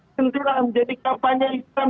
tentulah menjadi kampanye islam